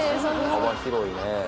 幅広いね。